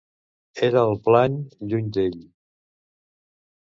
Era el plany lluny d'ell?